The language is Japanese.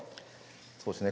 そうですね。